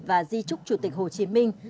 và di trúc chủ tịch hồ chí minh